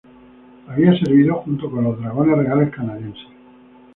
Había servido junto con los Dragones Reales Canadienses.